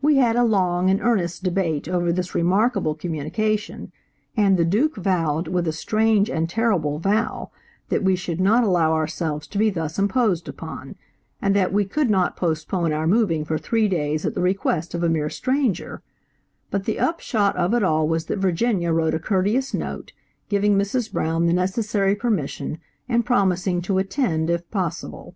We had a long and earnest debate over this remarkable communication, and the Duke vowed with a strange and terrible vow that we should not allow ourselves to be thus imposed upon; and that we could not postpone our moving for three days at the request of a mere stranger; but the upshot of it all was that Virginia wrote a courteous note, giving Mrs. Brown the necessary permission, and promising to attend if possible.